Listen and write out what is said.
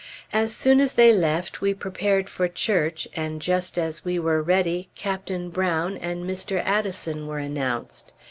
As soon as they left, we prepared for church, and just as we were ready, Captain Brown and Mr. Addison were announced.